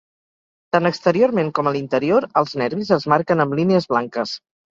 Tant exteriorment com a l'interior els nervis es marquen amb línies blanques.